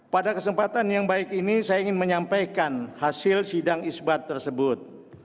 pada kesempatan yang baik ini saya ingin menyampaikan hasil sidang isbat tersebut